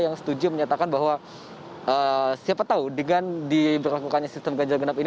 yang setuju menyatakan bahwa siapa tahu dengan diberlakukannya sistem ganjil genap ini